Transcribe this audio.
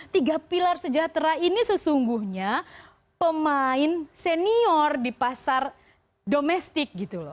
tiga pilar sejahtera ini sesungguhnya pemain senior di pasar domestik gitu loh